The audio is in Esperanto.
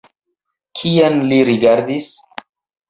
Kien li rigardis?